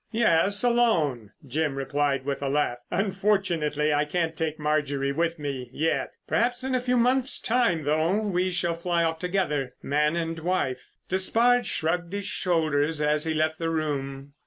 "Yes, alone," Jim replied with a laugh. "Unfortunately, I can't take Marjorie with me—yet. Perhaps in a few months' time, though, we shall fly off together, man and wife." Despard shrugged his shoulders as he left the room.